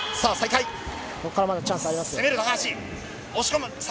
ここからまだチャンスがありますよ。